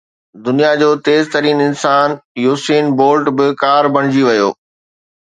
دنيا جو تيز ترين انسان يوسين بولٽ به ڪار بڻجي ويو